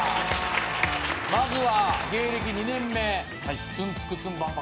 まずは芸歴２年目ツンツクツン万博。